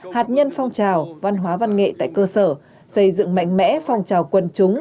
hạt nhân phong trào văn hóa văn nghệ tại cơ sở xây dựng mạnh mẽ phong trào quân chúng